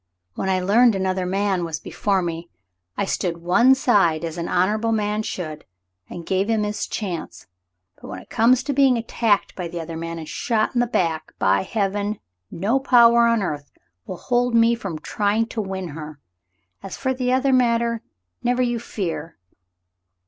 When I learned another man was before me, I stood one side as an honorable man should and gave him his chance. But when it comes to being attacked by the other man and shot in the back — by heaven ! no 182 The Mountain Girl power on earth will hold me from trying to win her. As for the other matter, never you fear.